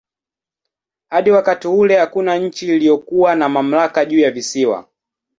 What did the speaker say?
Hadi wakati ule hakuna nchi iliyokuwa na mamlaka juu ya visiwa.